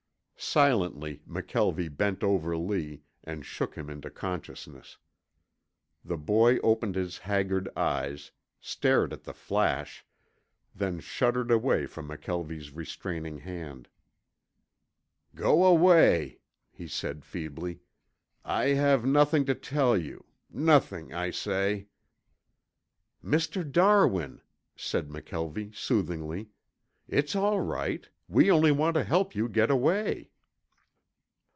Silently McKelvie bent over Lee and shook him into consciousness. The boy opened his haggard eyes, stared at the flash, then shuddered away from McKelvie's restraining hand. "Go away," he said feebly. "I have nothing to tell you. Nothing, I say." "Mr. Darwin," said McKelvie soothingly, "it's all right. We only want to help you get away."